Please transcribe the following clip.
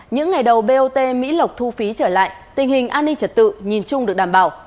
những ngày đầu bot mỹ lộc thu phí trở lại tình hình an ninh trật tự nhìn chung được đảm bảo